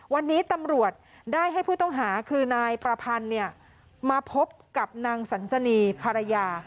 วันนี้ตำรวจได้ให้ผู้ต้องหาคือนายประพันธ์มาพบกับนางสันสนีภรรยา